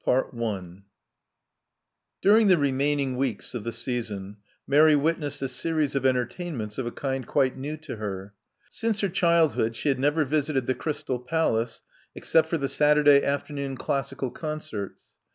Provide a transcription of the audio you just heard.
CHAPTER XIV During the remaining weeks of the season, Mary witnessed a series of entertainments of a kind quite new to her. Since her childhood she had never visited the Crystal Palace except for the Saturday afternoon classical concerts.